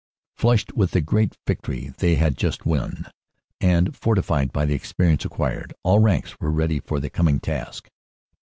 "Flushed with the great victory they had just won, and fortified by the experience acquired, all ranks were ready for the coming task."